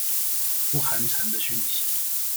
不寒蟬的訊息